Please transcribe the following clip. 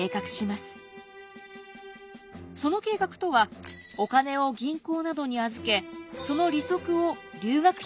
その計画とはお金を銀行などに預けその利息を留学費用に充てるというもの。